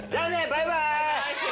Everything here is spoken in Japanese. バイバイ！